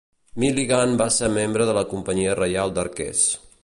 Milligan va ser membre de la Companyia Reial d'Arquers.